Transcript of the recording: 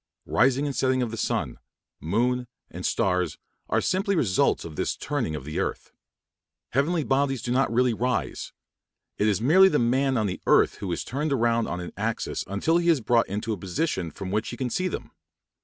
Rising and setting of sun, moon, and stars are simply results of this turning of the earth. Heavenly bodies do not really rise; it is merely the man on the earth who is turned round on an axis until he is brought into a position from which he can see them.